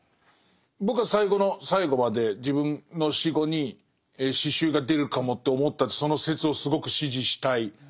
僕は最後の最後まで自分の死後に詩集が出るかもって思ったその説をすごく支持したい。